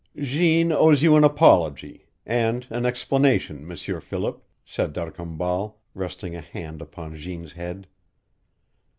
"Jeanne owes you an apology and an explanation, M'sieur Philip," said D'Arcambal, resting a hand upon Jeanne's head.